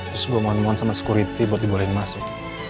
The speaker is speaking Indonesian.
terus gue mohon mohon sama security buat dibolehin masuk